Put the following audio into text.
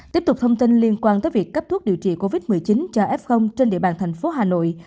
tiếp tục thông tin liên quan tới việc cấp thuốc điều trị covid một mươi chín cho f trên địa bàn thành phố hà nội